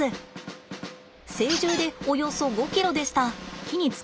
成獣でおよそ５ｋｇでした。